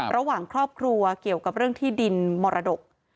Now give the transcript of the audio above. ระหว่างครอบครัวเกี่ยวกับเรื่องที่ดินมรดก